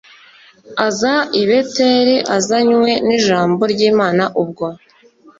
aza i Beteli azanywe n ijambo ry Imana Ubwo